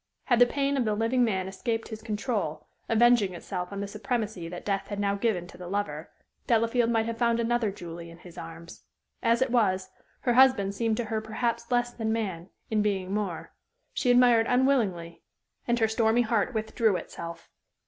Had the pain of the living man escaped his control, avenging itself on the supremacy that death had now given to the lover, Delafield might have found another Julie in his arms. As it was, her husband seemed to her perhaps less than man, in being more; she admired unwillingly, and her stormy heart withdrew itself.